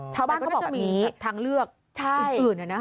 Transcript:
ชาวบ้านเขาบอกแบบนี้แต่ก็น่าจะมีทางเลือกอื่นเลยนะคะ